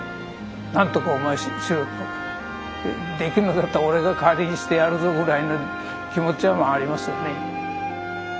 「何とかお前しろ」と「できんのだったら俺が代わりにしてやるぞ」ぐらいの気持ちはまあありますよね。